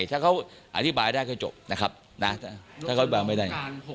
ถ้าเขาอธิบายได้ก็จบนะครับนะถ้าเขาอธิบายไม่ได้